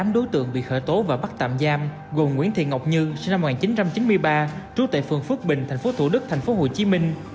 tám đối tượng bị khởi tố và bắt tạm giam gồm nguyễn thị ngọc như sinh năm một nghìn chín trăm chín mươi ba trú tại phường phước bình tp thủ đức thành phố hồ chí minh